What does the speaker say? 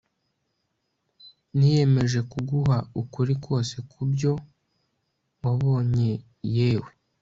niyemeje kuguha ukuri kose kubyo wabonye yewe